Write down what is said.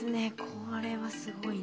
これはすごいな。